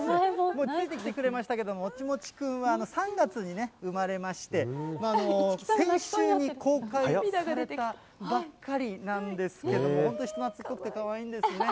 もうついてきてくれましたけれども、もちもちくんは３月に生まれまして、先週に公開されたばっかりなんですけども、本当に人なつっこくて、かわいいんですね。